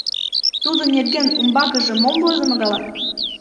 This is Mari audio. Тудын нерген умбакыже мом возымо гала?